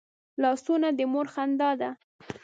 لاسونه د مور خندا ده